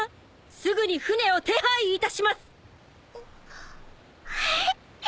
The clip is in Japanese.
すぐに船を手配いたします。